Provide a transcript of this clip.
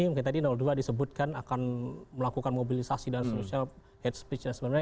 mungkin tadi dua disebutkan akan melakukan mobilisasi dan sebagainya head speech dan sebagainya